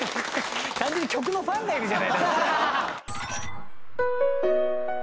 単純に曲のファンがいるじゃない。